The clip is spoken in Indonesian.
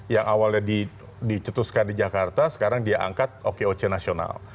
yang awalnya dicetuskan di jakarta sekarang dia angkat okoc nasional